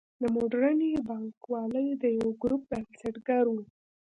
د موډرنې بانکوالۍ د یوه ګروپ بنسټګر و.